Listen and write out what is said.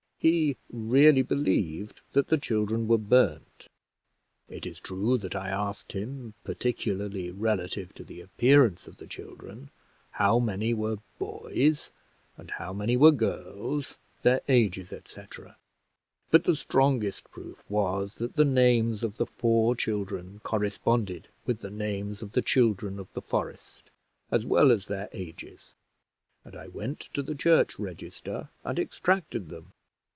He really believed that the children were burned; it is true that I asked him particularly relative to the appearance of the children how many were boys, and how many were girls, their ages, &c. but the strongest proof was, that the names of the four children corresponded with the names of the Children of the Forest, as well as their ages, and I went to the church register and extracted them.